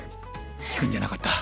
聞くんじゃなかった。